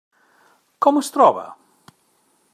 Com es troba?